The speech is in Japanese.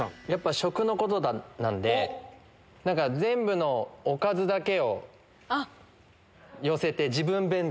食のことなんで全部のおかずだけを寄せて。